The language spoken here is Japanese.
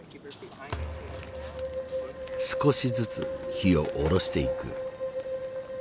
少しずつ火を下ろしていく。